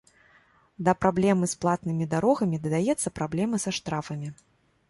Да праблемы з платнымі дарогамі дадаецца праблема са штрафамі.